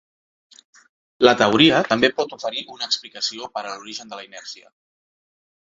La teoria també pot oferir una explicació per a l'origen de la inèrcia.